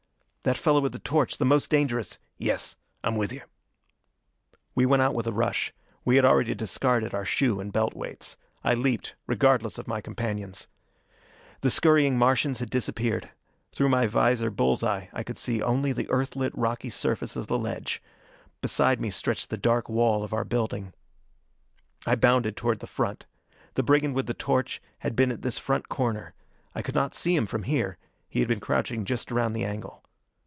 "That fellow with the torch, the most dangerous " "Yes! I'm with you." We went out with a rush. We had already discarded our shoe and belt weights. I leaped, regardless of my companions. The scurrying Martians had disappeared. Through my visor bull's eye I could see only the Earthlit rocky surface of the ledge. Beside me stretched the dark wall of our building. I bounded toward the front. The brigand with the torch had been at this front corner. I could not see him from here: he had been crouching just around the angle.